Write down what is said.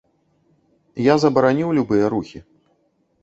Я забараніў любыя рухі.